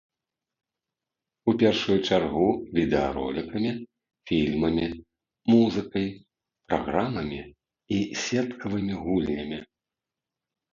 У першую чаргу відэаролікамі, фільмамі, музыкай, праграмамі і сеткавымі гульнямі.